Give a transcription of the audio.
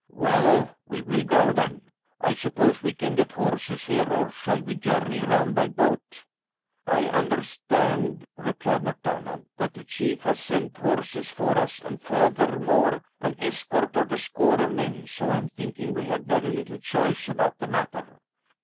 "Well, we will go then. I suppose we can get horses here, or shall we journey round by boat?" "I understand," replied MacDonald, "that the chief has sent horses for us, and furthermore an escort of a score of men, so I'm thinking we have very little choice about the matter."